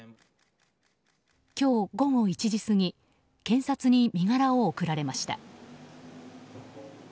今日午後１時過ぎ、検察に身柄を送られました。